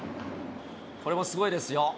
これもすごいですよ。